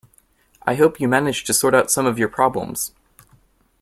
I hope you managed to sort out some of your problems.